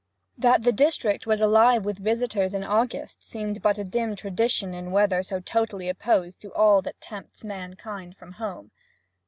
That the district was alive with visitors in August seemed but a dim tradition in weather so totally opposed to all that tempts mankind from home.